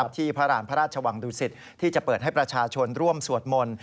ที่พระราณพระราชวังดุสิตที่จะเปิดให้ประชาชนร่วมสวดมนต์